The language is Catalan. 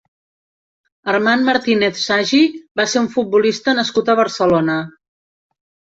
Armand Martínez Sagi va ser un futbolista nascut a Barcelona.